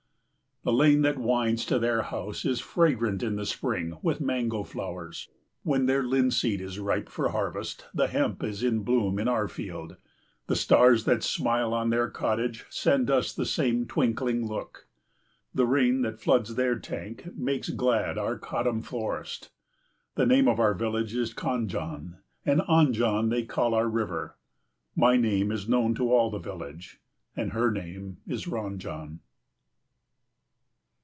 The lane that winds to their house is fragrant in the spring with mango flowers. When their linseed is ripe for harvest the hemp is in bloom in our field. The stars that smile on their cottage send us the same twinkling look. The rain that floods their tank makes glad our kadam forest. The name of our village is Khanjan, and Anjan they call our river. My name is known to all the village, and her name is Ranjan.